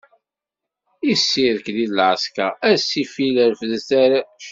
Isirkli-d lɛesker, a ssifil refdet arrac.